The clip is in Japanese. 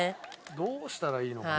どうしたらいいのかな？